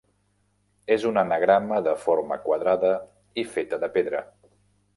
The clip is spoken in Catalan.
És un anagrama de forma quadrada i feta en pedra.